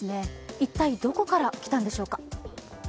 一体どこから来たんでしょうか。